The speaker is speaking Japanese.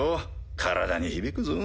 体に響くぞ。